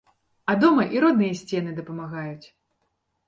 А дома і родныя сцены дапамагаюць!